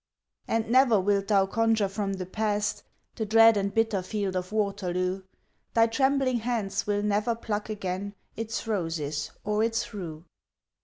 And never wilt thou conjure from the past The dread and bitter field of Waterloo; Thy trembling hands will never pluck again Its roses or its rue.